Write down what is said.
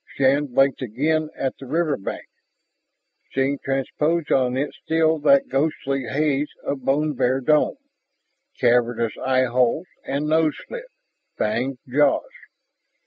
Shann blinked again at the riverbank, seeing transposed on it still that ghostly haze of bone bare dome, cavernous eyeholes and nose slit, fanged jaws.